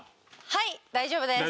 はい大丈夫です。